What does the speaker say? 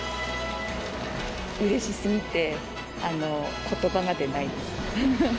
うれしすぎて、ことばが出ないです。